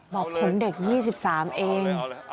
บอกผมเด็ก๒๓เอง